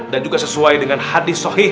dan juga sesuai dengan hadis sohih